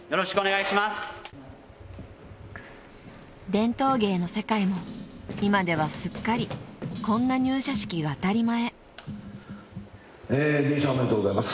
［伝統芸の世界も今ではすっかりこんな入社式が当たり前］